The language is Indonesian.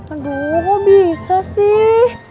aduh kok bisa sih